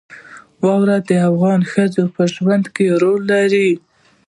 واوره د افغان ښځو په ژوند کې رول لري.